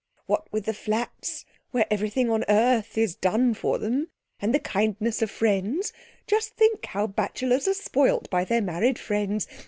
What with the flats, where everything on earth is done for them, and the kindness of friends just think how bachelors are spoilt by their married friends!